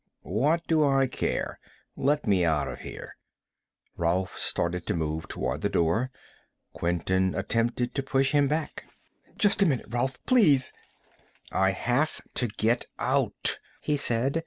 "What do I care? Let me out of here." Rolf started to move toward the door. Quinton attempted to push him back. "Just a minute, Rolf. Please!" "I have to get out," he said.